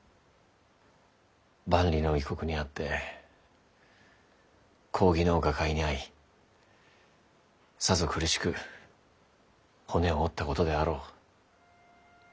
万里の異国にあって公儀の瓦解にあいさぞ苦しく骨を折ったことであろう。